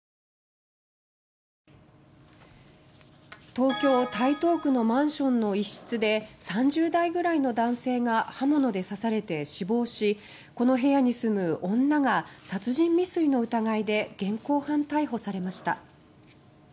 東京・台東区のマンションの一室で３０代くらいの男性が刃物で刺されて死亡しこの部屋に住む女が殺人未遂の疑いで現行犯逮捕されました。